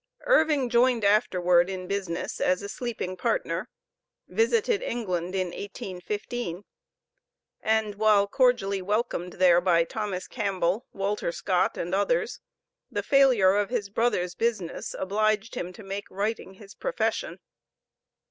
Irving joined afterward in business as a sleeping partner, visited England in 1815, and, while cordially welcomed here by Thomas Campbell, Walter Scott, and others, the failure of his brother's business obliged him to make writing his profession.